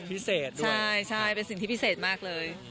พิเศษด้วยใช่เป็นสิ่งที่พิเศษมากเลย